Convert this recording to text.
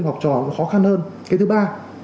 học trò khó khăn hơn cái thứ ba